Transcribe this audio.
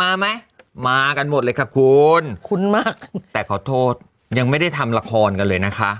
มาไหมมากันหมดเลยค่ะคุณคุ้นมากแต่ขอโทษยังไม่ได้ทำละครกันเลยนะคะ